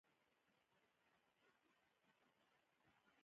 زه د نرمو وړیو احساس خوښوم.